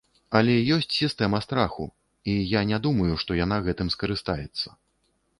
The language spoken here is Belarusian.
Але ёсць сістэма страху, і я не думаю, што яна гэтым скарыстаецца.